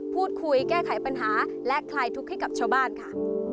พูดคุยแก้ไขปัญหาและคลายทุกข์ให้กับชาวบ้านค่ะ